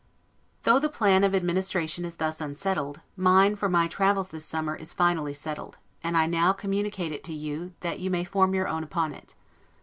Though the plan of administration is thus unsettled, mine, for my travels this summer, is finally settled; and I now communicate it to you that you may form your own upon it.